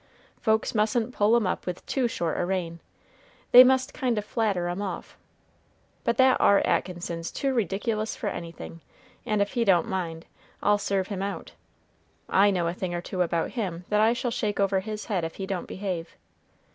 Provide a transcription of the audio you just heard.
Folks mustn't pull 'em up with too short a rein, they must kind o' flatter 'em off. But that ar Atkinson's too rediculous for anything; and if he don't mind, I'll serve him out. I know a thing or two about him that I shall shake over his head if he don't behave.